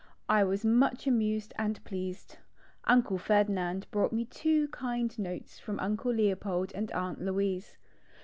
I was much amused and pleased. Uncle Ferdinand brought me two kind notes from Uncle Leopold and Aunt Louise.